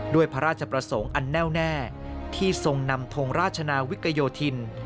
ด้วยพระราชประสงค์อันแน่วแน่ที่ทรงนำทงราชนาวิกโยธิน